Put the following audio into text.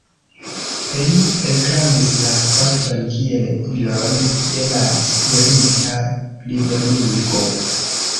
Li reklamis la sporton kiel ilon de la spirita plibonigo.